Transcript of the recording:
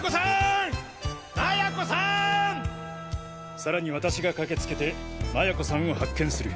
さらに私が駆け付けて麻也子さんを発見する。